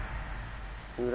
裏？